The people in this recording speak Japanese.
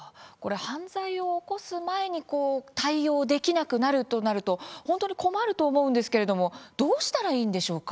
犯罪を起こす前に対応できなくなるとなると本当に困ると思うんですけれどもどうしたらいいんでしょうか。